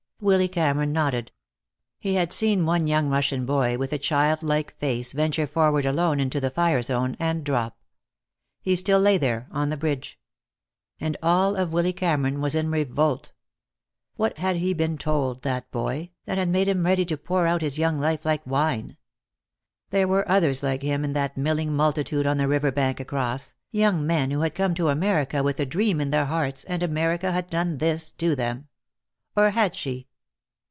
Willy Cameron nodded. He had seen one young Russian boy with a child like face venture forward alone into the fire zone and drop. He still lay there, on the bridge. And all of Willy Cameron was in revolt. What had he been told, that boy, that had made him ready to pour out his young life like wine? There were others like him in that milling multitude on the river bank across, young men who had come to America with a dream in their hearts, and America had done this to them. Or had she?